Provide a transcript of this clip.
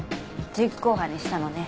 実行犯にしたのね。